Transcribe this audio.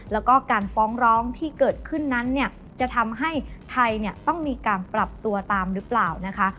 แล้วก็การฟ้องร้องที่เกิดขึ้นนั้นเนี่ยจะทำให้ไทยต้องมีการปรับตัวตามหรือเปล่านะคะ